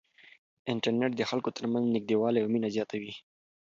انټرنیټ د خلکو ترمنځ نږدېوالی او مینه زیاتوي.